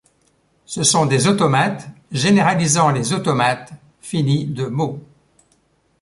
Ce sont des automates généralisant les automates finis de mots.